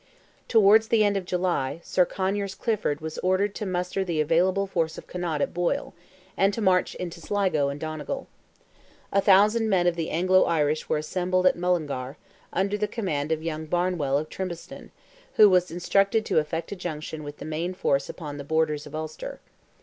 Towards the end of July, Sir Conyers Clifford was ordered to muster the available force of Connaught at Boyle, and to march into Sligo and Donegal. A thousand men of the Anglo Irish were assembled at Mullingar, under the command of young Barnewell of Trimbleston, who was instructed to effect a junction with the main force upon the borders of Ulster.